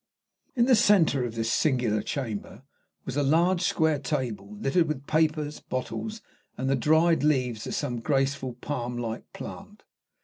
In the centre of this singular chamber was a large, square table, littered with papers, bottles, and the dried leaves of some graceful, palm like plant.